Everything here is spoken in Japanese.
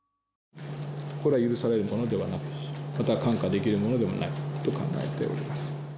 これは許されるものではなく、また看過できるものでもないと考えております。